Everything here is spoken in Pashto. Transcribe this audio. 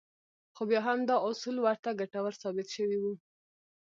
خو بيا هم دا اصول ورته ګټور ثابت شوي وو.